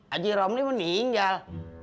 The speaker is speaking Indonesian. aji romli meninggal